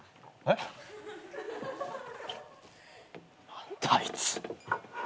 何だあいつ。